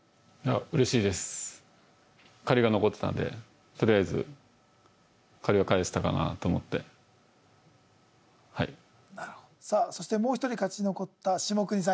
うれしいです借りが残ってたんでとりあえず借りは返せたかなと思ってはいさあそしてもう一人勝ち残った下國さん